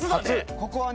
ここはね